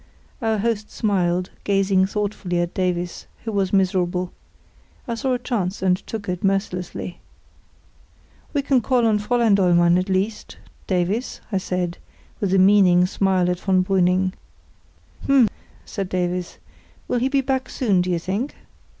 Our host smiled, gazing thoughtfully at Davies, who was miserable. I saw a chance, and took it mercilessly. "We can call on Fräulein Dollmann, at least, Davies," I said, with a meaning smile at von Brüning. "H'm!" said Davies; "will he be back soon, do you think?"